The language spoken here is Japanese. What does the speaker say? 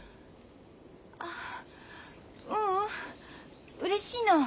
あっううんうれしいの。